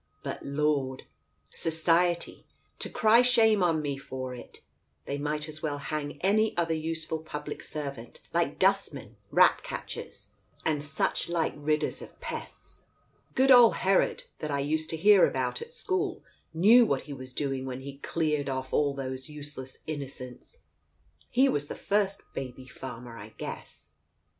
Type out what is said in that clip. But Lord !— Society, to cry shame on me for it I They might as well hang any other useful public servant, like dustmen, rat catchers, and such like ridders of pests. Good old Herod, that I used to hear about at school, knew what he was doing when he cleared off all those useless Innocents ! He was the first baby farmer, I guess."